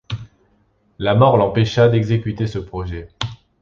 La mort l'empêcha d'exécuter ce projet.